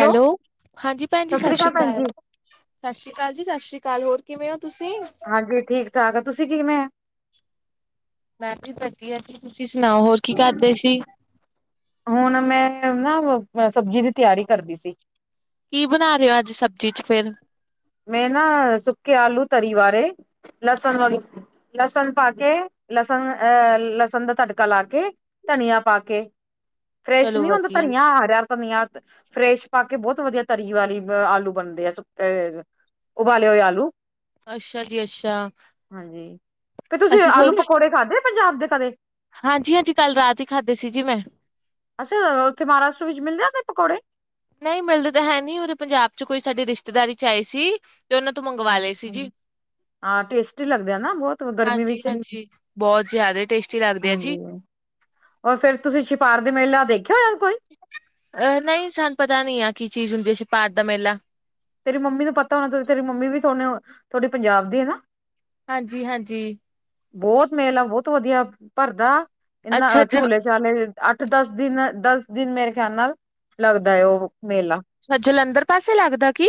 Hello ਹਾਂਜੀ ਭੈਣ ਜੀ ਸਤਿ ਸ੍ਰੀ ਅਕਾਲ ਸਤਿ ਸ਼੍ਰੀ ਅਕਾਲ ਜੀ ਸਤਿ ਸ਼੍ਰੀ ਅਕਾਲ ਹੋਰ ਕਿਵੇਂ ਓ ਹਾਂਜੀ ਠੀਕ ਠਾਕ ਤੁਸੀਂ ਕਿਵੇਂ ਹੋ ਮੈਮ ਜੀ ਵਧੀਆ ਜੀ ਤੁਸੀਂ ਸੁਣਾਓ ਹੋਰ ਕੀ ਕਰਦੇ ਸੀ ਹੁਣ ਨਾ ਮੈਂ ਸਬਜ਼ੀ ਦੀ ਤਿਆਰੀ ਕਰਦੀ ਸੀ ਕੀ ਬਣਾ ਰਿ ਓ ਅੱਜ ਸਬਜ਼ੀ ਚ ਫੇਰ ਮੈਂ ਨਾ ਸੁੱਕੇ ਆਲੂ ਤਰੀ ਵਾਲੇ ਲਸਣ ਵਾਲੇ ਲਸਣ ਪਾ ਕੇ ਲਸਣ ਅਹ ਲਸਣ ਦਾ ਤੜਕਾ ਲਾ ਕੇ ਧਨੀਆ ਪਾ ਕੇ ਫਰੈਸ਼ ਚਲੋ ਨੀ ਹੁੰਦਾ ਵਧੀਆ, ਧਨੀਆ ਆ ਹਰਾ ਧਨੀਆ ਫਰੈਸ਼ ਪਾ ਕੇ ਬਹੁਤ ਵਧੀਆ ਤਰੀ ਵਾਲੇ ਆਲੂ ਬਣਦੇ ਆ ਉਬਾਲੇ ਹੋਏ ਆਲੂ ਅੱਛਾ ਜੀ ਅੱਛਾ, ਹਾਂਜੀ, ਤੇ ਤੁਸੀਂ ਆਲੂ-ਪਕੌੜੇ ਖਾਧੇ ਪੰਜਾਬ ਦੇ ਕਦੇ? ਹਾਂਜੀ-ਹਾਂਜੀ ਕੱਲ ਰਾਤ ਹੀ ਖਾਧੇ ਸੀ ਜੀ ਮੈਂ। ਅੱਛਾ ਉੱਥੇ ਮਹਾਰਾਸ਼ਟਰ ਵਿੱਚ ਮਿਲ ਜਾਂਦੇ ਪਕੌੜੇ? ਨਹੀਂ ਮਿਲਦਾ ਤਾਂ ਹੈ ਨਹੀਂ ਉਰੇ ਪੰਜਾਬ 'ਚ ਕੋਈ ਸਾਡੀ ਰਿਸ਼ਤੇਦਾਰੀ 'ਚ ਆਏ ਸੀ। ਤੇ ਉਹਨਾਂ ਤੋਂ ਮੰਗਵਾ ਹਾਂਜੀ ਲਏ ਸੀ ਜੀ। ਹਾਂ ਟੇਸਟੀ ਲੱਗਦੇ ਆ ਨਾ ਬਹੁਤ ਗਰਮੀ ਵਿੱਚ ਹਾਂਜੀ-ਹਾਂਜੀ, ਬਹੁਤ ਜ਼ਿਆਦਾ ਟੇਸਟੀ ਲੱਗਦੇ ਆ ਜੀ। ਹਾਂਜੀ। ਔਰ ਫੇਰ ਤੁਸੀਂ ਛਿਪਾਰ ਦੇ ਮੇਲਾ ਦੇਖ ਅਹ ਨਹੀਂ ਸਾਨੂੰ ਪਤਾ ਨੀ ਆ ਕੀ ਚੀਜ਼ ਹੁੰਦੀ ਹੈ ਸਿਪਾਰ ਦਾ ਮੇਲਾ। ਤੇਰੀ ਮੰਮੀ ਨੂੰ ਪਤਾ ਹੋਣਾ ਤੇਰੀ ਮੰਮੀ ਵੀ ਥੋਨੇ ਥੋਡੇ ਪੰਜਾਬ ਦੀ ਹੈ ਨਾ? ਹਾਂਜੀ-ਹਾਂਜੀ ਬਹੁਤ ਮੇਲਾ ਬਹੁਤ ਵਧੀਆ ਭਰਦਾ, ਅੱਛਾ ਇਹਨਾ ਜ, ਝੂਲੇ-ਚਾਲੇ ਅੱਠ-ਦਸ ਦਿਨ ਦਸ ਦਿਨ ਮੇਰੇ ਖਿਆਲ ਨਾਲ ਲੱਗਦਾ ਹੈ ਉਹ ਮੇਲਾ। ਅੱਛਾ ਜਲੰਧਰ ਪਾਸੇ ਲੱਗਦਾ ਕੀ?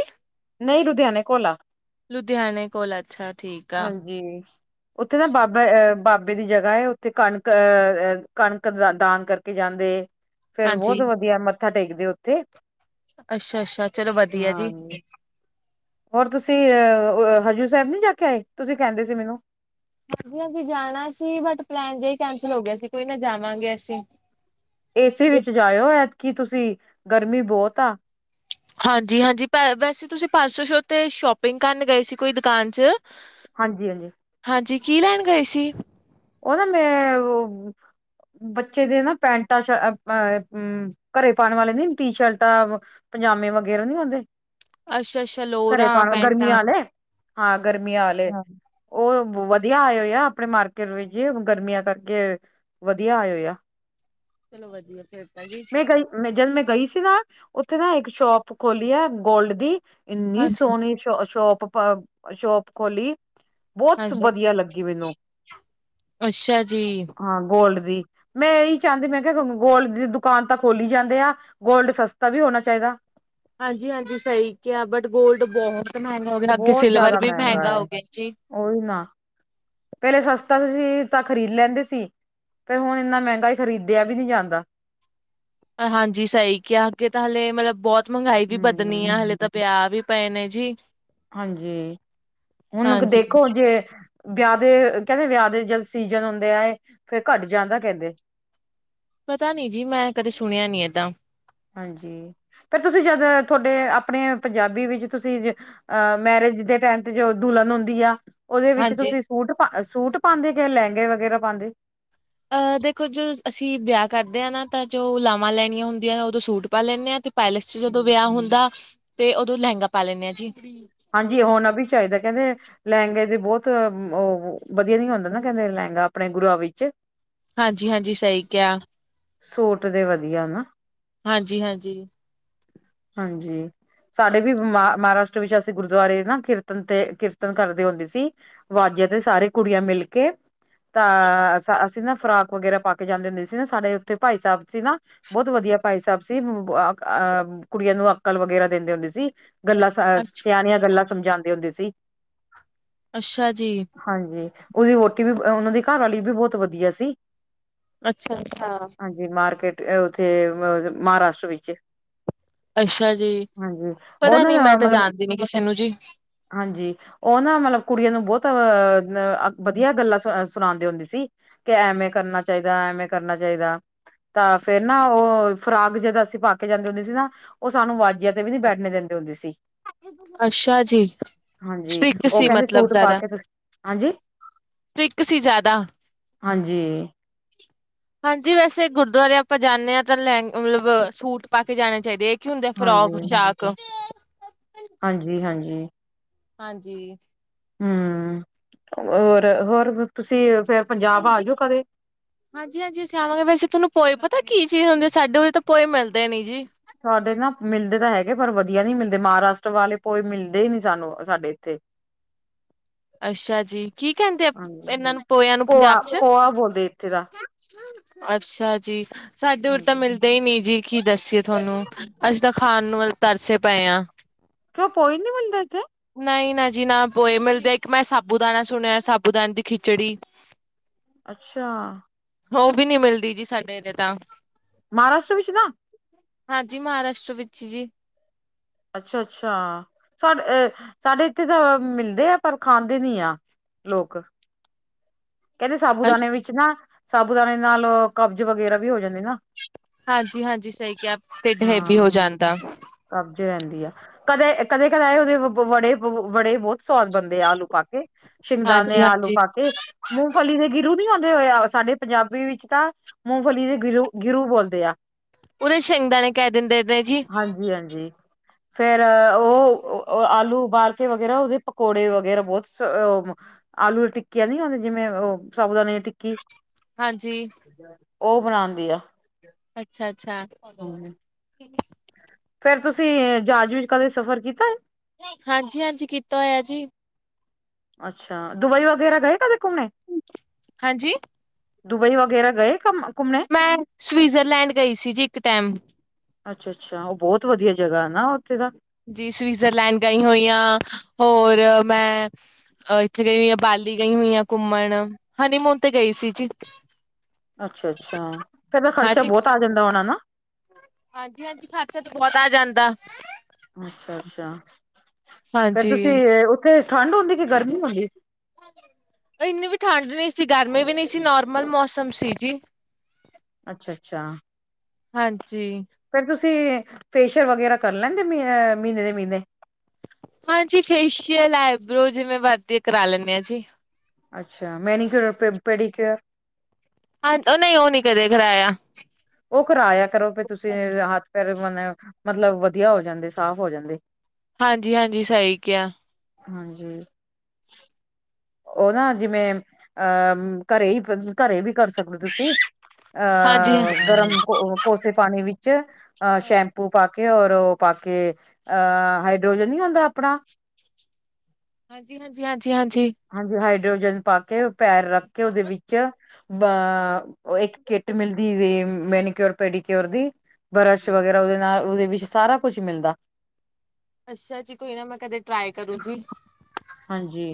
ਨਹੀਂ ਰੁਧਿਆਣੇ ਕੋੋਲ ਆ। ਲੁਧਿਆਣੇ ਕੋਲ ਅੱਛਾ। ਠੀਕ ਆ ਹਾਂਜੀ, ਉੱਥੇ ਨਾ ਬਾਬਾ ਅਹ ਬਾਬ ਬਾਬੇ ਦੀ ਜਗ੍ਹਾ ਹੈ ਉੱਥੇ ਕਣਕ ਅਹ ਕਣਕ ਦਾ ਦਾਨ ਕਰਕੇ ਜਾਂਦੇ। ਫਿਰ ਹਾਂਜੀ ਬਹੁਤ ਵਧੀਆ ਮੱਥਾ ਟੇਕਦੇ ਉੱਥੇ। ਅੱਛਾ-ਅੱਛਾ ਚਲੋ ਵਧੀਆ ਜੀ। ਹਾਂਜੀ। ਹੋਰ ਤੁਸੀਂ ਅਹ ਹਜੂਰ ਸਾਹਿਬ ਨੀ ਜਾ ਕੇ ਆਏ ਤੁਸੀਂ ਕਹਿੰਦੇ ਸੀ ਮੈਨੂੰ ਨਹੀਂ ਅਸੀਂ ਜਾਣਾ ਸੀ ਬਟ ਪਲੈਨ ਜਾ ਈ ਕੈਂਸਲ ਹੋ ਗਿਆ ਸੀ ਕੋਈ ਨਾ ਜਾਵਾਂਗੇ ਅਸੀਂ। ਏ ਸੀ ਵਿੱਚ ਜਾਇਓ ਐਤਕੀ ਤੁਸੀਂ ਗਰਮੀ ਬਹੁਤ ਆ। ਹਾਂਜੀ-ਹਾਂਜੀ ਵੈਸੇ ਤੁਸੀਂ ਪਰਸੋਂ ਸ਼ੋ ਤੇ ਸ਼ੋਪਿੰਗ ਕਰਨ ਗਏ ਸੀ ਕੋਈ ਦੁਕਾਨ ਚ। ਹਾਂਜੀ-ਹਾਂਜੀ। ਹਾਂਜੀ ਕੀ ਲੈਣ ਗਏ ਸੀ? ਉਹਨਾਂ ਮੈਂ ਉਹ ਬੱਚੇ ਦੇ ਨਾ ਪੈਂਟਾਂ ਅਹ ਘਰੇ ਪਾਉਣ ਵਾਲੇ ਨੇ ਟੀ ਸ਼ਰਟਾਂ ਪਜਾਮੇ ਵਗੈਰਾ ਨੀ ਆਉਂਦੇ। ਅੱਛਾ-ਅੱਛਾ ਲੋਰਾਂ, ਗਰਮੀਆਂ ਪੈਂਟਾਂ ਆਲੇ ਹਾਂ ਗਰਮੀਆਂ ਵਾਲੇ, ਅੱਛਾ-ਅੱਛਾ ਉਹ ਵਧੀਆ ਆਏ ਹੋਏ ਆ ਆਪਣੇ ਮਾਰਕੀਟ ਵਿੱਚ ਗਰਮੀਆਂ ਕਰਕੇ ਵਧੀਆ ਆਏ ਹੋਏ ਆ। ਚਲੋ ਵਧੀਆ ਫੇਰ ਤਾਂ ਜੀ। ਮੈਂ ਗਈ ਮੈਂ ਜਦ ਮੈਂ ਗਈ ਸੀ ਨਾ ਉੱਥੇ ਨਾ ਇੱਕ ਸ਼ੋਪ ਖੋਲੀ ਹੈ ਗੋਲਡ ਦੀ। ਇੰਨੀ ਹਾਂਜੀ-ਹਾਂਜੀ ਸੋਹਣੀ ਸ਼ੋ ਸ਼ੋਪ ਸ਼ੋਪ ਖੋਲੀ। ਬਹੁਤ ਵਧੀਆ ਲੱਗੀ ਮੈਨੂੰ। ਅੱਛਾ ਜੀ। ਹਾਂ ਗੋਲਡ ਮੈਂ ਇਹੀ ਚਾਹੁੰਦੀ ਮੈਂ ਕਿਹਾ ਗੋਲਡ ਦੀ ਦੁਕਾਨ ਤਾਂ ਖੋਲੀ ਜਾਂਦੇ ਆ ਗੋਲਡ ਸਸਤਾ ਵੀ ਹੋਣਾ ਚਾਹੀਦਾ। ਹਾਂਜੀ-ਹਾਂਜੀ ਸਹੀ ਕਿਹਾ ਬਟ ਗੋਲਡ ਬ ਬਹੁਤ ਮਹਿੰਗਾ ਹੋ ਗਿਆ ਅੱਗੇ ਬਹੁਤ ਸਿਲਵਰ ਜ਼ਿਆਦਾ ਵੀ ਮਹਿੰਗਾ ਹੋ ਹੈ ਗਿਆ ਜੀ। ਉਹੀ ਨਾ ਪਹਿਲੇ ਸਸਤਾ ਸੀ ਤਾਂ ਖ਼ਰੀਦ ਲੈਂਦੇ ਸੀ। ਫਿਰ ਹੁਣ ਇੰਨਾ ਮਹਿੰਗਾਾ ਏ ਖਰੀਦਿਆ ਵੀ ਨਹੀਂ ਜਾਂਦਾ। ਹਾਂਜੀ ਸਹੀ ਕਿਹਾ ਅੱਗੇ ਤਾਂ ਹਲੇ ਮਤਲਬ ਬਹੁਤ ਮਹਿੰਗਾਈ ਵੀ ਵੱਧਣੀ ਹਮ ਆ ਹਲੇ ਤਾਂ ਪਿਆ ਵੀ ਪਏ ਨੇ ਜੀ। ਹਾਂਜੀ, ਹੁਣ ਹਾਂਜੀ ਦੇਖੋ ਜੇ ਵਿਆਹ ਦੇ ਕਹਿੰਦੇ ਵਿਆਹ ਦੇ ਜਦ ਸੀਜਨ ਹੁੰਦੇ ਆ ਫਿਰ ਘੱਟ ਜਾਂਦਾ ਕਹਿੰਦੇ। ਪਤਾ ਨੀ ਜੀ ਮੈਂ ਕਦੇ ਸੁਣਿਆ ਨੀ ਏਦਾਂ। ਹਾਂਜੀ ਫਿਰ ਤੁਸੀਂ ਜਦ ਤੁਹਾਡੇ ਆਪਣੇ ਪੰਜਾਬੀ ਵਿੱਚ ਤੁਸੀਂ ਅ ਮੈਰਿਜ ਦੇ ਟਾਈਮ ਤੇ ਜੋ ਦੁਲਹਨ ਹੁੰਦੀ ਆ ਉਹਦੇ ਵਿੱਚ ਹਾਂਜੀ ਤੁਸੀਂ ਸੂਟ ਸੂਟ ਪਾਂਦੇ ਦੇ ਕਿ ਲਹਿੰਗੇ ਵਗੈਰਾ ਪਾਂਦੇ? ਅਹ ਦੇਖੋ ਜੋ ਅਸੀਂ ਵਿਆਹ ਕਰਦੇ ਹਾਂ ਨਾ ਤਾਂ ਜੋ ਲਾਵਾਂ ਲੈਣੀਆਂ ਹੁੰਦੀਆਂ ਉਦੋਂ ਸੂਟ ਪਾ ਲੈਂਦੇ ਆ ਤੇ ਪੈਲਸ ਚ ਜਦੋਂ ਵਿਆਹ ਹੁੰਦਾ। ਤੇ ਉਦੋਂ ਲਹਿੰਗਾ ਪਾ ਲੈਂਦੇ ਆ ਜੀ। ਹਾਂਜੀ ਹੋਣਾ ਵੀ ਚਾਹੀਦਾ ਕਹਿੰਦੇ ਲਹਿੰਗੇ ਦੇ ਬਹੁਤ ਉਹ। ਵਧੀਆ ਨ ਹੁੰਦਾ ਨਾ ਕਹਿੰਦੇ ਲਹਿੰਗਾ ਆਪਣੇ ਗੁਰੂਆਂ ਵਿੱਚ। ਹਾਂਜੀ-ਹਾਂਜੀ ਸਹੀ ਕਿਹਾ। ਸੂਟ ਦੇ ਵਧੀਆ ਨਾ। ਹਾਂਜੀ-ਹਾਂਜੀ। ਹਾਂਜੀ ਸਾਡੇ ਵੀ ਮ ਮਹਾਰਾਸ਼ਟਰ ਵਿੱਚ ਅਸੀ ਗੁਰੂਦੁਆਰੇ ਨਾ ਕੀਰਤਨ ਤੇ ਕੀਰਤਨ ਕਰਦੇ ਹੁੰਦੀ ਸੀ ਵਾਜ਼ੇ ਤੇ ਸਾਰੇ ਕੁੜੀਆਂ ਮਿਲ ਕੇ ਤਾਂ ਅਸੀਂ ਨਾ ਫਰਾਕ ਵਗੈਰਾ ਪਾ ਕੇ ਜਾਂਦੇ ਹੁੰਦੇ ਸੀ ਨਾ ਸਾਡੇ ਉੱਥੇ ਭਾਈ ਸਾਹਿਬ ਸੀ ਨਾ ਬਹੁਤ ਵਧੀਆ ਭਾਈ ਸਾਹਿਬ ਸੀ ਅਹ ਕੁੜੀਆਂ ਨੂੰ ਅਕਲ ਵਗੈਰਾ ਦਿੰਦੇ ਹੁੰਦੇ ਸੀ। ਗੱਲਾਂ ਸ ਅੱਛਾ ਜੀ, ਸਿਆਣੀਆਂ ਗੱਲਾਂ ਸਮਝਾਉਂਦੇ ਹੁੰਦੇ ਸੀ। ਅੱਛਾ ਜੀ। ਹਾਂਜੀ ਉਹਦੀ ਵੋਟੀ ਵੀ ਉਹਨਾਂ ਦੀ ਘਰ ਵਾਲੀ ਵੀ ਬਹੁਤ ਵਧੀਆ ਸੀ। ਅੱਛਾ-ਅੱਛਾ। ਹਾਂਜੀ ਮਾਰਕੀਟ ਉੱਥੇ ਅਹ ਮਹਾਰਾਸ਼ਟਰ ਵਿੱਚ। ਅੱਛਾ ਜੀ ਹਾਂਜੀ ਪਤਾ ਉਨਾਂ ਨੀ ਦਾ ਮੈਂ ਤਾਂ ਮਤਲਬ ਜਾਣਦੀ ਨੀ ਕਿਸੇ ਨੂੰ ਜੀ ਹਾਂਜੀ ਉਹ ਨਾ ਮਤਲਬ ਕੁੜੀਆਂ ਨੂੰ ਬਹੁਤ ਅਹ ਵਧੀਆ ਗੱਲਾਂ ਸੁ ਸੁਣਾਉਂਦੇ ਹੁੰਦੀ ਸੀ ਕਿ ਐਮੇ ਕਰਨਾ ਚਾਹੀਦਾ ਐਮੇ ਕਰਨਾ ਚਾਹੀਦਾ। ਤਾਂ ਫੇਰ ਨਾ ਉਹ ਫਰਾਕ ਜਦੋਂ ਅਸੀਂ ਪਾ ਕੇ ਜਾਂਦੇ ਹੁੰਦੇ ਸੀ ਨਾ ਉਹ ਸਾਨੂੰ ਵੱਜ ਤੇ ਵੀ ਨੀ ਬੈਠਣੇ ਦਿੰਦੇ ਹੁੰਦੇ ਸੀ। ਅੱਛਾ ਜੀ ਹਾਂਜੀ ਸਟ੍ਰਿਕਟ ਉਹ ਸੀ ਕਹਿੰਦੇ ਮਤਲਬ ਸੂਟ ਪਾ ਜ਼ਿਆਦਾ। ਕੇ ਤੁਸੀਂ ਹਾਂਜੀ ਕ ਸੀ ਜ਼ਿਆਦਾ। ਹਾਂਜੀ ਹਾਂਜੀ ਵੈਸੇ ਗੁਰਦੁਆਰੇ ਆਪਾਂ ਜਾਂਨੇ ਹਾਂ ਤਾਂ ਲੈਂ ਮਤਲਬ ਸੂਟ ਪਾ ਕੇ ਜਾਣੇ ਚਾਹੀਦੇ ਹੈ। ਕੀ ਹੁੰਦੇ ਫਰੋਕ ਸ਼ਾਕ? ਹਾਂਜੀ-ਹਾਂਜੀ। ਹਾਂਜੀ। ਹੁੰ ਹੋਰ, ਹੋਰ ਤੁਸੀਂ ਫਿਰ ਹਾਂਜੀ, ਹਾਂਜੀ-ਹਾਂਜੀ, ਅਸੀਂ [unintelligible] ਵੈਸੇ ਤੁਹਨੂੰ ਪਏ ਤਾਂ ਕੀ ਚੀਜ਼ ਹੁੰਦੀ ਸਾਡੇ ਉਰੇ ਤਾਂ ਪੋਏ ਮਿਲਦੇ ਨੀ ਜੀ। ਸਾਡੇ ਨਾ ਮਿਲਦੇ ਤਾਂ ਹੈਗੇ ਪਰ ਵਧੀਆ ਨੀ ਮਿਲਦੇ ਮਹਾਰਾਸ਼ਟਰ ਵਾਲੇ ਕੋਈ ਮਿਲਦੇ ਹੀ ਨੀ ਸਾਨੂੰ ਸਾਡੇ ਇੱਥੇ। [unintelligible] ਅੱਛਾ ਜੀ ਕੀ ਕਹਿੰਦੇ ਆ ਹਾਂਜੀ ਇਹਨਾਂ ਨੂੰ ਪੋਇਆਂ ਨੂੰ ਪੋਆ ਪੰਜਾਬ ਚ? ਪੋਆ ਬੋਲਦੇ ਇੱਥੇ ਦਾ ਅੱਛਾ ਜੀ ਸਾਡੇ ਉਰ ਤਾਂ ਹਾਂਜੀ ਮਿਲਦੇ ਹੀ ਨੀ ਜੀ। ਕੀ ਦੱਸੀਏ ਤੁਹਾਨੂੰ ਅਸੀਂ ਤਾਂ ਖਾਣ ਨੂੰ ਤਰਸੇ ਪਏ ਹਾਂ। ਕਿਉਂ ਪੋਏ ਨੀ ਮਿਲਦੇ ਇੱਥੇ? ਨਹੀਂ ਨਾ ਜੀ ਨਾ ਪੋਏ ਮਿਲਦੇ ਇੱਕ ਮੈਂ ਸਾਬੂ ਦਾਣਾ ਸੁਣਿਆ ਸਾਬੂ ਦਾਣੇ ਦੀ ਖਿਚੜੀ। ਅੱਛਾ। ਉਹ ਵੀ ਨੀ ਮਿਲਦੀ ਜੀ ਸਾਡੇ ਇਥੇ ਤਾਂ। ਮਹਾਰਾਸ਼ਟਰ ਵਿੱਚ ਨਾ। ਹਾਂਜੀ ਮਹਾਰਾਸ਼ਟਰ ਵਿੱਚ ਜੀ। ਅੱਛਾ-ਅੱਛਾ ਸਾਡੇ ਸਾਡੇ ਇੱਥੇ ਤਾਂ ਮਿਲਦੇ ਆ ਪਰ ਖਾਂਦੇ ਨੀ ਆ। ਲੋਕ। ਕਹਿੰਦੇ ਸਾਬੂ ਦਾਣੇ ਵਿੱਚ ਨਾ ਸਾਬੂ ਦਾਣੇ ਨਾਲ ਕਬਜ਼ ਵਗੈਰਾ ਵੀ ਹੋ ਜਾਂ ਹਾਂਜੀ-ਹਾਂਜੀ ਸਹੀ ਕਿਹਾ ਢਿੱਡ ਹੈਵੀ ਹਾਂ ਹੋ ਜਾਂਦਾ। ਕਬਜ਼ ਰਹਿੰਦੀ ਕਦੇ, ਕਦੇ-ਕਦੇ ਆਏ ਉਹਦੇ ਵ-ਵ ਵੜੇ ਵ-ਵ ਵੜੇ ਬਹੁਤ ਸਵਾਦ ਬੰਦੇ ਆਲੂ ਪਾ ਕੇ ਸ਼ਿੰਗਦਾਨੇ ਆਲੂ ਹਾਂਜੀ-ਹਾਂਜੀ। ਪਾ ਕੇ। ਮੂੰਗਫਲੀ ਦੇ ਗਿਰੂ ਨੀ ਆਉਂਦੇ ਹੋਏ ਆ ਸਾਡੇ ਪੰਜਾਬੀ ਵਿੱਚ ਤਾਂ ਮੂੰਗਫਲੀ ਦੇ ਗਿਰੂ ਗਿਰੂ ਬੋਲਦੇ ਆ। ਉਹਨੇ ਸ਼ਿੰਦਣੇ ਕਹਿ ਦਿੰਦੇ ਨੇ ਜੀ। ਹਾਂਜੀ-ਹਾਂਜੀ ਫੇਰ ਉਹ ਆਲੂ ਉਬਾਲ ਕੇ ਵਗੈਰਾ ਉਹਦੇ ਪਕੌੜੇ ਵਗੈਰਾ ਬਹੁਤ। ਆਲੂ ਦੀ ਟਿੱਕੀ ਆ ਨ ਜਿਵੇਂ ਉਹ ਸਾਾਬੂਦਾਨ ਦੀ ਟਿੱਕੀ। ਹਾਂਜੀ। ਉਹ ਬਣਾਉਂਦੀ ਆ। ਅੱਛਾ, ਅੱਛਾ। ਹਾਂਜੀ। ਫੇਰ ਤੁਸੀਂ ਜਹਾਜ ਵਿੱਚ ਕਦੇ ਸਫ਼ਰ ਕੀਤਾ ਹੈ। ਹਾਂਜੀ, ਹਾਂਜੀ ਕੀਤਾ ਹੋਇਆ ਜੀ। ਅੱਛਾ ਦੁਬਈ ਵਗੈਰਾ ਗਏ ਕਦੀ। ਹਾਂਜੀ। ਦੁਬਈ ਵਗੈਰਾ ਗਏ ਕੰ। ਮੈਂਸਵਿਜ਼ਰਲੈਂਡ ਗਈ ਸੀ ਜੀ ਇੱਕ ਟਾਈਮ ਅੱਛਾ, ਅੱਛਾ ਉਹ ਬਹੁਤ ਵਧੀਆ ਜਗ੍ਹਾ ਹੈ ਨਾ। ਉੱਥੇ ਦਾ ਜੀ ਸਵਿਜ਼ਰਲੈਂਡ ਗਈ ਹੋਈਆਂ ਹੋਰ ਮੈਂ। ਅਹ ਇੱਥੇ ਗਈ ਹੋਈ ਆ ਬਾਲੀ ਗਈ ਹੋਈ ਆ ਘੁੰਮਣ ਹਨੀ ਮੂਨ ਤੇ ਗਈ ਸੀ ਜੀ। ਅੱਛਾ, ਅੱਛਾ ਫਿਰ ਇਹਦਾ ਖਰਚਾ ਬਹੁਤ ਆ ਜਾਂਦਾ ਹੋਣਾ। ਹਾਂਜੀ, ਹਾਂਜੀ ਖਰਚਾ ਤੇ ਬਹੁਤ ਆ ਜਾਂਦਾ। ਅੱਛਾ, ਅੱਛਾ ਫੇਰ ਹਾਂਜੀ। ਤੁਸੀਂ ਉੱਥੇ ਠੰਡ ਹੁੰਦੀ ਕਿ ਗਰਮੀ ਹੁੰਦੀ। ਇੰਨੀ ਵੀ ਠੰਢ ਨੀ ਸੀ ਗਰਮੀ ਵੀ ਨੀ ਸੀ ਨੋਰਮਲ ਮੌਸਮ ਸੀ ਜੀ। ਅੱਛਾ, ਅੱਛਾ। ਹਾਂਜੀ। ਤੇ ਫੇਸ਼ੀਅਲ ਵਗੈਰਾ ਕਰ ਲੈਂਦੇ ਮ ਮਹੀਨੇ ਦੇ ਮਹੀਨੇ। ਹਾਂਜੀ। ਫੇਸ਼ੀਅਲ, ਐਬਰੋ ਜਿਵੇਂ ਵਰਧਏ ਕਰਾ ਲੈਂਦੇ ਆ ਜੀ। ਅੱਛਾ। ਮੈਂ ਨਹੀਂ ਚੋਰ ਪੈਰੀ ਹਾਂ ਉਹ ਨਹੀਂ ਉਹ ਨੀ ਕਦੇ ਕਰਾਇਆ। ਉਹ ਕਰਵਾਇਆ ਕਰੋ ਫਿਰ ਤੁਸੀਂ ਹੱਥ ਪੈਰ ਮਨ। ਮਤਲਬ ਵਧੀਆ ਹੋ ਜਾਂਦੇ ਸਾਫ਼ ਹੋ ਜਾਂਦੇ। ਹਾਂਜੀ- ਹਾਂਜੀ ਸਹੀ ਕਿਹਾ ਆ। ਹਾਂਜੀ। ਉਹ ਨਾ ਜਿਵੇਂ ਅਹ ਘਰੇ ਘਰੇ ਵੀ ਕਰ ਸਕਦੇ ਤੁਸੀਂ। ਹਾਂਜੀ। ਅਹ ਗਰਮ ਕੋ ਕੋਸੇ ਪਾਣੀ ਵਿੱਚ ਅਹ ਸ਼ੈਂਪੂ ਪਾ ਕੇ। ਕਿ ਹੋਰ ਉਹ ਪਾ ਕੇ ਅਹ ਹਾਈਡ੍ਰੋਜਨ ਨੀ ਆਉਂਦਾ ਆਪਣਾ। ਹਾਂਜੀ -ਹਾਂਜੀ, ਹਾਂਜੀ -ਹਾਂਜੀ। ਯੋਜਨ ਪਾ ਕੇ ਪੈਰ ਰੱਖ ਕੇ ਉਹਦੇ ਵਿੱਚ। ਬ ਇੱਕ ਕਿੱਟ ਮਿਲਦੀ ਮੈਨੀਕਿਓਰ ਪੈਡੀਕਿਓਰ ਦੀ। ਬਰਸ਼ ਵਗੈਰਾ ਉਹਦੇ ਨਾਲ ਉਹਦੇ ਵਿੱਚ ਸਾਰਾ ਕੁਛ ਮਿਲਦਾ। ਅੱਛਾ ਜੀ ਕੋਈ ਨਾ ਮੈਂ ਕਦੇ ਟਰਾਈ ਕਰੂ ਜੀ। ਹਾਂਜੀ।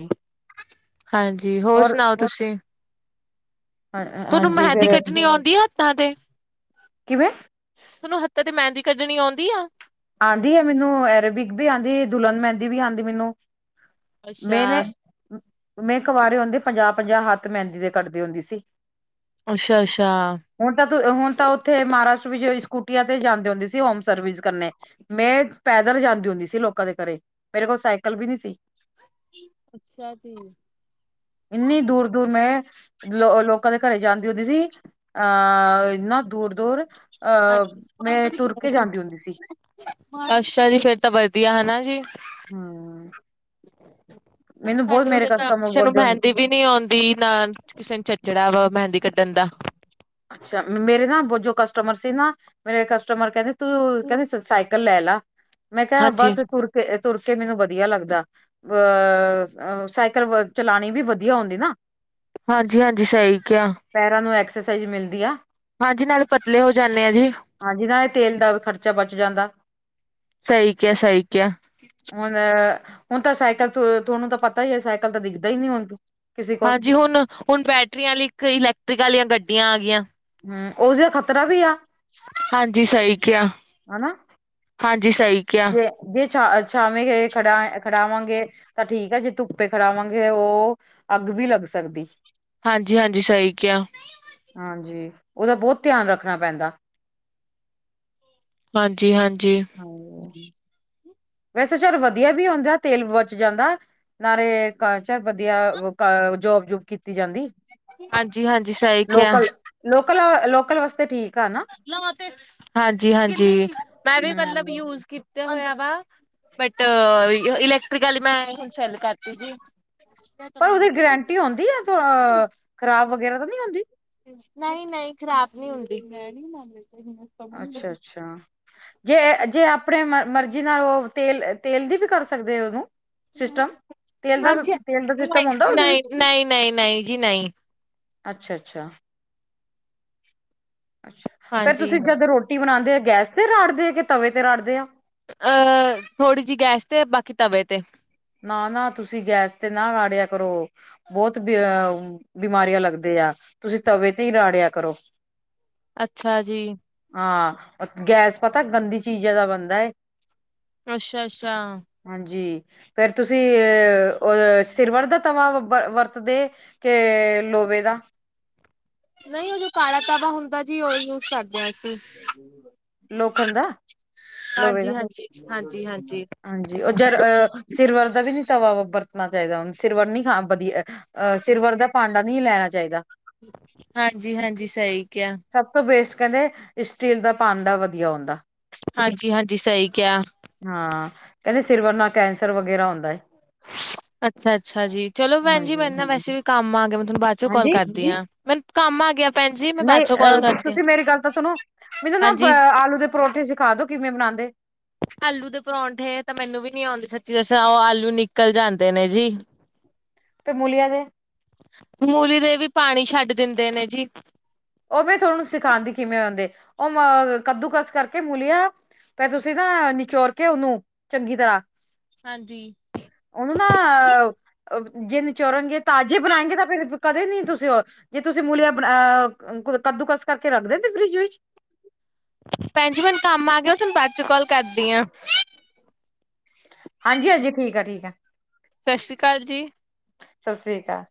ਹਾਂਜੀ ਹੋਰ ਔਰ ਸੁਣਾਓ ਤੁਸੀਂ। ਹਾਂ ਤੁਹਾਨੂੰ ਹਾਂਜੀ ਮਹਿੰਦੀ ਫੇਰ ਕੱਢਣੀ ਆਉਂਦੀ ਆ ਹੱਥਾਂ ਤੇ ਕਿਵੇਂ ਤੁਹਾਨੂੰ ਹੱਥਾਂ ਤੇ ਮਹਿੰਦੀ। ਕੱਢਣੀ ਆਉਂਦੀ ਆ ਆਉਂਦੀ ਹੈ ਮੈਨੂੰ ਐਰੇਬਿਕ ਵੀ ਆਉਂਦੀ, ਦੁਲਨ ਮਹਿੰਦੀ ਵੀ ਆਉਂਦੀ ਮੈਨੂੰ। ਅੱਛਾ ਮੈਂਨੇ। ਮੈਂ ਕਵਾਰੇ ਹੁੰਦੇ ਪੰਜਾਹ ਪੰਜਾਹ ਹੱਥ ਮਹਿੰਦੀ ਦੇ ਕੱਡਦੇ ਹੁੰਦੀ ਸੀ। ਅੱਛਾ, ਅੱਛਾ। ਹੁਣ ਤਾਂ ਹੁਣ ਤਾਂ ਉੱਥੇ ਮਹਾਰਾਸ਼ਟਰ ਵਿੱਚ ਸਕੂਟੀਆਂ ਤੇ ਜਾਂਦੇ ਹੁੰਦੇ ਸੀ ਹੋਮ ਸਰਵਿਸ ਕਰਨੇ। ਮੈਂ ਪੈਦਲ ਜਾਂਦੀ ਹੁੰਦੀ ਸੀ ਲੋਕਾਂ ਦੇ ਘਰੇ ਮੇਰੇ ਕੋਲ ਸਾਈਕਲ ਵੀ ਨਹੀ ਸੀ। ਅੱਛਾ ਜੀ। ਇੰਨੀ ਦੂਰ ਦੂਰ ਮੈਂ। ਲੋ ਲੋਕਾਂ ਦੇ ਘਰੇ ਜਾਂਦੀ ਹੁੰਦੀ ਸੀ ਅਹ ਇੰਨਾ ਦੂਰ। ਦੂਰ ਅਹ ਮੈਂ ਤੁਰਕੇ ਜਾਂਦੀ ਹੁੰਦੀ ਸੀ ਅੱਛਾ ਜੀ, ਫੇਰ ਤਾਂ ਵਧੀਆ ਹਨਾ ਜੀ। ਹੂੰ, ਨ ਸਾਡੇ ਉਰੇ ਤਾਂ ਕਿਸੇ ਨੂੰ ਮਹਿੰਦੀ ਵੀ ਨੀ ਆਉਂਦੀ, ਨਾ ਕਿਸੇ ਨੂੰ ਚੱਚੜਾ ਵਾ ਮਹਿੰਦੀ ਕੱਢ ਦਿੰਦਾ ਅੱਛਾ ਮੇਰੇ ਨਾ ਜੋ ਕਸਟਮਰ ਸੀ ਨਾ, ਮੇਰੇ ਕਸਟਮਰ ਕਹਿੰਦੇ ਤੂੰ ਕਹਿੰਦੇ ਸਾਈਕਲ ਲੈ ਲਾ, ਮੈਂ ਕਿਹਾ ਬਸ ਤੁਰ ਕੇ ਤੁਰ ਕੇ ਮੈਨੂੰ ਵਧੀਆ ਲੱਗਦਾ। [unintelligible] ਸਾਈਜ਼ ਮਿਲਦੀ ਆ ਹਾਂਜੀ, ਨਾਲੇ ਪਤਲੇ ਹੋ ਜਾਂਦੇ ਆ ਜੀ। ਹਾਂਜੀ ਨਾ ਇਹ ਤੇਲ ਦਾ ਵੀ ਖਰਚਾ ਬਚ ਜਾਂਦਾ। ਸਹੀ ਕਿਹਾ, ਸਹੀ ਕਿਹਾ। ਹੁਣ ਹੁਣ ਤਾਂ ਸਾਈਕਲ ਤੁਹਾਨੂੰ ਤਾਂ ਪਤਾ ਹੀ ਹੈ, ਸਾਈਕਲ ਤਾਂ ਦਿਖਦਾ ਹੀ ਨੀ ਹੁਣ। ਕਿਸੇ ਕੋਲ ਹਾਂਜੀ, ਹੁਣ- ਹੁਣ ਬੈਟਰੀਆਂ ਵਾਲੀ ਇੱਕ ਇਲੈਕਟ੍ਰਿਕ ਆਲੀਆਂ ਗੱਡੀਆਂ ਆ ਗੀਆਂ। ਹੂੰ, ਉਸਦਾ ਖ਼ਤਰਾ ਵੀ ਆ। ਹਾਂਜੀ ਸਹੀ ਕਿਹਾ, ਹਨਾ ਹਾਂਜੀ ਸਹੀ ਕਿਹਾ। ਛ ਛਾਵੇਂ ਖੜਾ ਖੜਾਵਾਂਗੇ ਤਾਂ ਠੀਕ ਐ, ਜੇ ਧੁੱਪੇ ਖੜਾਵਾਂਗੇ ਉਹ ਅੱਗ ਵੀ ਲੱਗ ਸਕਦੀ। ਹਾਂਜੀ -ਹਾਂਜੀ, ਸਹੀ ਕਿਹਾ। ਹਾਂਜੀ, ਉਹਦਾ ਬਹੁਤ ਧਿਆਨ ਰੱਖਣਾ ਪੈਂਦਾ। ਹਾਂਜੀ- ਹਾਂਜੀ ਹਾਂਜੀ, ਵੈਸੇ ਚੱਲ ਵਧੀਆ ਵੀ ਹੁੰਦਾ, ਤੇਲ ਬੱਚ ਜਾਂਦਾ। ਨਾਲੇ ਕਾ ਚਾ ਵਧੀਆ ਕ ਜੋਬ ਕੀਤੀ ਜਾਂਦੀ, ਹਾਂਜੀ ਹਾਂਜੀ ਸਹੀ ਕਿਹਾ ਲੋਕਲ- ਲੋਕਲ- ਲੋਕਲ ਵਾਸਤੇ ਠੀਕ। ਆ ਨਾ ਹਾਂਜੀ -ਹਾਂਜੀ, ਮੈਂ ਵੀ ਮਤਲਬ ਹਮ ਯੂਜ ਤੇ ਹੋਆ ਵਾ ਪਰ ਨਹੀਂ -ਨਹੀਂ ਖ਼ਰਾਬ ਨੀ ਹੁੰਦੀ। ਅੱਛਾ -ਅੱਛਾ ਜੇ- ਜੇ ਆਪਣੇ ਮਤ ਮਰਜੀ ਨਾਲ ਉਹ ਤੇਲ -ਤੇਲ ਦੀ ਵੀ ਕਰ ਸਕਦੇ, ਉਹਨੂੰ ਸਿਸਟਮ। ਤੇਲ ਦਾ ਹਾਂਜੀ, ਤੇਲ ਦਾ ਸਿਸਟਮ ਹੁੰਦਾ ਨਹੀਂ ਉਹਦੇ ਵਿੱਚ -ਨਹੀਂ- ਨਹੀਂ- ਨਹੀਂ ਜੀ ਨਹੀਂ ਅੱਛਾ -ਅੱਛਾ। ਅੱਛਾ, ਫੇਰ ਹਾਂਜੀ ਤੁਸੀਂ ਜਦ ਰੋਟੀ ਬਣਾਂਦੇ ਓ ਗੈਸ ਤੇ ਰਾੜਦੇ ਓ, ਕਿ ਤਵੇ ਤੇ ਰਾੜਦੇ ਓ। ਅਹ ਥੋੜ੍ਹੀ ਜਿਹੀ ਗੈਸ ਤੇ, ਬਾਕੀ ਤਵੇ ਤੇ। ਨਾ- ਨਾ ਤੁਸੀਂ ਗੈਸ ਤੇ ਨਾ ਰਾੜਿਆ ਕਰੋ, ਬਹੁਤ ਬਿਮਾਰੀਆਂ ਲੱਗਦੇ ਆ, ਤੁਸੀਂ ਤਵੇ ਤੇ ਹੀ ਰਾੜਿਆ ਕਰੋ। ਅੱਛਾ ਜੀ, ਹਾਂ, ਗੈ- ਅੱਛਾ, ਅੱਛਾ। ਫਿਰ ਤੁਸੀਂ ਅ ਅ ਸਿਰਵਰ ਦਾ ਤਵਾ ਵ ਵਰਤਦੇ, ਕੇ ਲੋਵੇ ਦਾ। ਨਹੀਂ ਉਹ ਜੋ ਕਾਲਾ ਤਵਾ ਹੁੰਦਾ ਜੀ, ਉਹਹੀ ਯੂਜ਼ ਕਰਦੇ। ਹਾਂ ਅਸੀਂ। ਲੋਕਨ ਦਾ। ਲੋਵੇ ਦਾ, ਹਾਂਜੀ-ਹਾਂਜੀ, ਹਾਂਜੀ-ਹਾਂਜੀ। ਹਾਂਜੀ ਉਹ ਜਰ ਸਿਰਵਰ ਦਾ ਵੀ ਨੀ ਤਵਾ ਵਰਤਣਾ ਚਾਹੀਦਾ, ਉਹਨੂੰ ਸਿਰਵਰ ਨੀ ਖਾ ਵਧੀਆ, ਅਹ ਸਿਰਵਰ ਦਾ ਭਾਂਡਾ ਨਹੀਂ ਲੈਣਾ ਚਾਹੀਦਾ। ਹਾਂਜੀ- ਹਾਂਜੀ ਸਹੀ ਕਿਹਾ। ਸਭ ਤੋਂ ਬੇਸਟ ਕਹਿੰਦੇ ਸਟੀਲ ਦਾ ਭਾਂਡਾਂ ਵਧੀਆ ਹੁੰਦਾ। ਹਾਂਜੀ -ਹਾਂਜੀ ਸਹੀ ਕਿਹਾ। ਹਾਂ ਕਹਿੰਦੇ, ਸਿਰਵਰ ਨਾਲ ਕੈਂਸਰ ਵਗੈਰਾ ਹੁੰਦਾ ਹੈ। ਅੱਛਾ ਅੱਛਾ ਜੀ, ਚਲੋ ਭੈਣ ਜੀ ਮੈਂ ਨਾ ਵੈਸੇ ਵੀ ਕੰਮ ਆ ਗਿਆ, ਮੈਂ ਤੁਹਾਨੂੰ ਬਾਅਦ ਚੋਂ ਕਾਲ ਹਾਂਜੀ। ਕਰਦੀ ਆਂ। ਮੈਨੂੰ ਕੰਮ ਆ ਗਿਆ। ਭੈਣ ਜੀ ਮੈਂ ਬਾਅਦ ਨਹੀਂ ਚੋਂ ਕਾਲ ਅਹ, ਕਰਦੀ ਹਾਂ, ਤੁਸੀਂ ਮੇਰੀ ਗੱਲ ਤਾਂ ਸੁਣੋ। ਮੈਨੂੰ ਨਾ ਅ ਹਾਂਜੀ। ਆਲੂ ਦੇ ਪਰੌਠੇ ਸਿਖਾ ਦੋ, ਕਿਵੇਂ ਬਣਾਉਂਦੇ। ਆਲੂ ਦੇ ਪਰੌਂਠੇ, ਤਾਂ ਮੈਨੂੰ ਵੀ ਨੀ ਆਉਂਦੀ ਸੱਚੀ ਦਸਾਂ, ਔ ਆਲੂ ਨਿਕਲ ਜਾਂਦੇ ਨੇ ਜੀ। ਤੇ ਮੂਲਿਆਂ ਦੇ। ਮੂਲੀ ਦੇ ਵੀ, ਪਾਣੀ ਛੱਡ ਦਿੰਦੇ ਨੇ ਜੀ। ਉਹ ਮੈਂ ਥੋਨੂੰ ਸਿਖਾਉਂਦੀ ਕਿਵੇਂ ਆਦੇ, ਔ ਅ ਕੱਦੂ ਕਸ ਕਰਕੇ ਮੂਲਿਆਂ ਫੇਰ ਤੁਸੀਂ ਨਾ ਨਿਚੋੜ ਕੇ ਉਹਨੂੰ, ਚੰਗੀ ਤਰ੍ਹਾਂ ਹਾਂਜੀ ਉਹਨੂੰ ਨਾ ਜੇ ਨਿਚੋੜਨਗੇ, ਤਾਜ਼ੇ ਬਣਾਏਗੇ, ਤਾਂ ਫਿਰ ਕਰਦੇ ਨਹੀਂ ਤੁਸੀਂ ਔ, ਜੇ ਤੁਸੀਂ ਮੂਲਿਆਂ ਬ ਕੱਦੂ ਕਸ ਕਰਕੇ ਰੱਖ ਦੇਦੇ, ਫਰਿੱਜ ਵਿੱਚ। ਭੈਣ ਜੀ ਮੈਨੂੰ ਕੰਮ ਆ ਗਿਆ, ਮੈਂ ਤੁਹਾਨੂੰ ਬਾਅਦ ਚ ਕਾਲ ਕਰਦੀ ਆਂ। ਹਾਂਜੀ ਹਾਂਜੀ, ਠੀਕ ਐ, ਠੀਕ ਐ। ਸਤਿ ਸ੍ਰੀ ਅਕਾਲ ਜੀ। ਸਤਿ ਸ੍ਰੀ ਅਕਾਲ